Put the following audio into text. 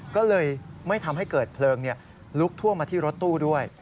ก็เลยไม่ทำให้เกิดเพลิงลุกท่วมมาที่รถตู้ด้วย